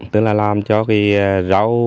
tức là làm cho cái rau